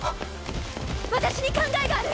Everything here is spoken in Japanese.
私に考えがある。